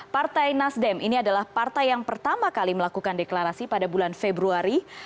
partai nasdem ini adalah partai yang pertama kali melakukan deklarasi pada bulan februari